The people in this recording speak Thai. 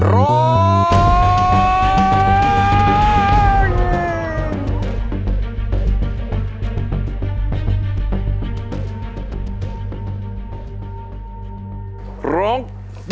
รอง